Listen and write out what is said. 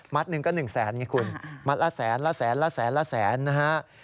หนึ่งก็๑แสนไงคุณมัดละแสนละแสนละแสนละแสนนะฮะ